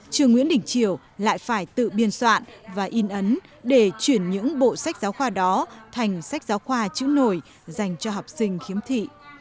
trường nguyễn đình triều lại phải tự biên soạn và in ấn để chuyển những bộ sách giáo khoa đó thành sách giáo khoa chữ nổi dành cho học sinh khiếm thị